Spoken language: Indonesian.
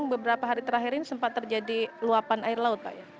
beberapa hari terakhir ini sempat terjadi luapan air laut pak ya